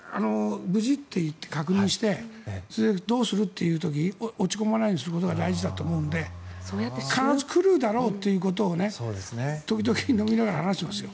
無事って確認してそれでどうする？って時に落ち込まないようにするのが大事だと思うので必ず来るだろうということを時々飲みながら話してますよ。